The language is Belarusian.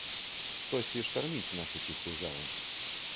Штосьці штарміць нашу ціхую гавань.